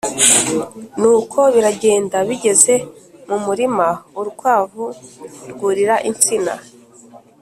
Nuko biragenda, bigeze mu murima, urukwavu rwurira insina